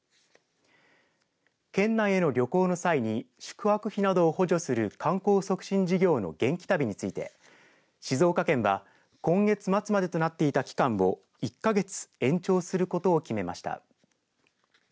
県内の旅行の際に宿泊費などを補助する観光促進事業の元気旅について静岡県は今月末までとなっていた期間を１か月延長することを決めました。